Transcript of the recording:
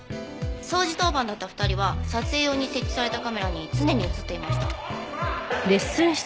掃除当番だった２人は撮影用に設置されたカメラに常に映っていました。